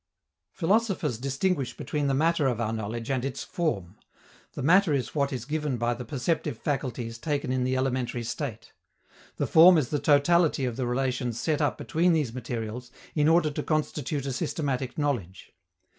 Philosophers distinguish between the matter of our knowledge and its form. The matter is what is given by the perceptive faculties taken in the elementary state. The form is the totality of the relations set up between these materials in order to constitute a systematic knowledge.